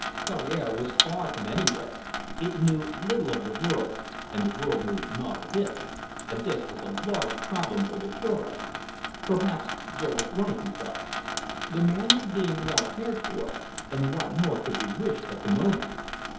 Chaudiere was far from anywhere: it knew little of the world, and the world knew naught of it, and this was a large problem for the Cure. Perhaps Jo was right, he thought. The man was being well cared for, and what more could be wished at the moment?